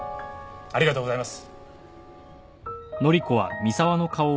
ありがとうございます。